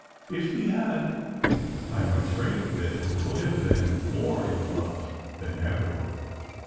If he had, I am afraid that he would have been more in love than ever.